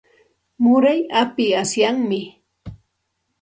Muray api asyami.